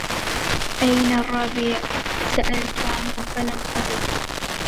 أين الربيع سألت عنه فلم أجد